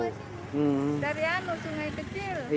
dari anu sungai kecil